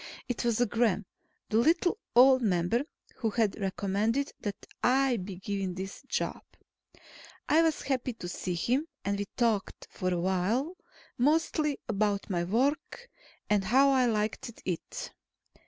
It was Gremm, the little old member, who had recommended that I be given this job. I was happy to see him, and we talked for a while, mostly about my work, and how I liked it.